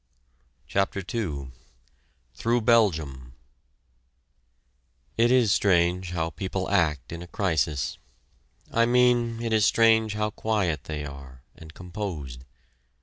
CHAPTER II THROUGH BELGIUM It is strange how people act in a crisis. I mean, it is strange how quiet they are, and composed.